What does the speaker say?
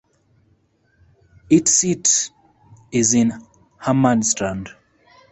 Its seat is in Hammarstrand.